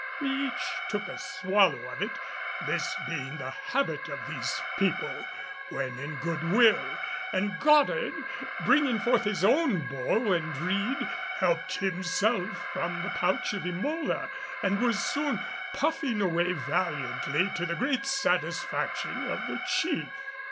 We each took a swallow of it, this being the habit of these people when in good will, and Goddard, bringing forth his own bowl and reed, helped himself from the pouch of Emola and was soon puffing away valiantly to the great satisfaction of the Chief.